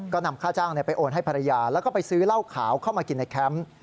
ก็นำค่าจ้างไปโอนให้ภรรยาแล้วก็ไปซื้อเหล้าขาวเข้ามากินในแคมป์